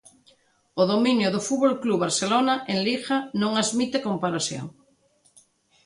O dominio do Fútbol Club Barcelona en Liga non admite comparación.